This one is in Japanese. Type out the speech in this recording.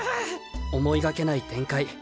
思いがけない展開。